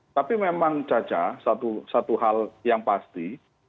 tapi memang caca satu hal yang pasti